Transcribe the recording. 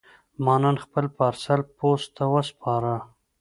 ما نن خپل پارسل پوسټ ته وسپاره.